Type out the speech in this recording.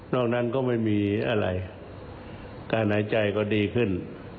นั้นก็ไม่มีอะไรการหายใจก็ดีขึ้น